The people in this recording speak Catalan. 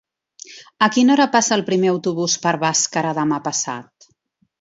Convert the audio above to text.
A quina hora passa el primer autobús per Bàscara demà passat?